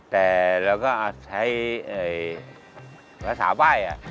แต่เราก็ให้อาสาวบ้าย